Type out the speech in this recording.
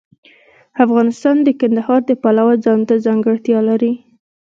افغانستان د کندهار د پلوه ځانته ځانګړتیا لري.